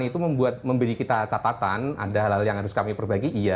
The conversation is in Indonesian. jadi kalau bawaslu membuat memberi kita catatan ada hal hal yang harus kami perbagi iya